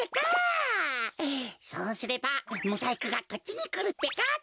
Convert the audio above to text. そうすればモザイクがこっちにくるってか！